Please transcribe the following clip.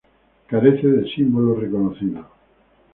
Carece de símbolo reconocido.